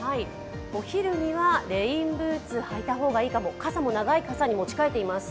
お昼には、レインブーツ履いた方がいいかも、傘も長い傘に持ち替えています。